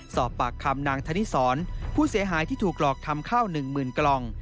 สอบปากคำนางธนิสรผู้เสียหายที่ถูกหลอกทำข้าว๑๐๐๐กล่อง